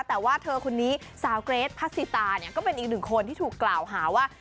แต่ว่าเธอคนนี้สาวเกรทพัสสิตาเนี่ยก็เป็นอีกหนึ่งคนที่ถูกกล่าวหาว่า